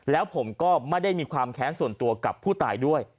แล้วผมก็ไม่ได้มีความแค้นส่วนตัวกับผู้ตายด้วย